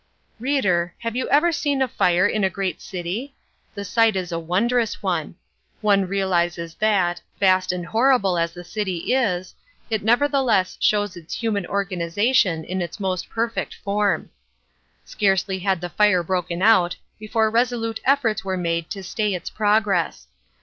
Reader, have you ever seen a fire in a great city? The sight is a wondrous one. One realises that, vast and horrible as the city is, it nevertheless shows its human organisation in its most perfect form. Scarcely had the fire broken out before resolute efforts were made to stay its progress.